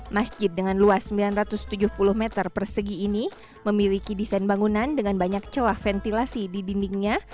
masjid dengan luas sembilan ratus tujuh puluh meter persegi ini memiliki desain bangunan dengan banyak celah ventilasi di dindingnya